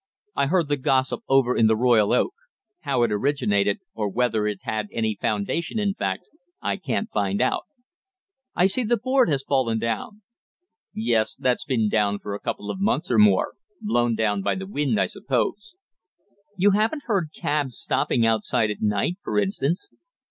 I heard the gossip over in the Royal Oak. How it originated, or whether it had any foundation in fact, I can't find out." "I see the board has fallen down." "Yes, that's been down for a couple of months or more blown down by the wind, I suppose." "You haven't heard cabs stopping outside at night, for instance?"